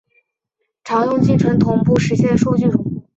常用进程同步原语实现数据同步。